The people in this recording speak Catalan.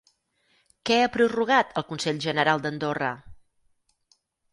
Què ha prorrogat el Consell General d'Andorra?